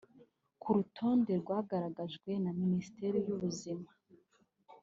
Ku rutonde rwagaragajwe na Minisiteri y’ubuzima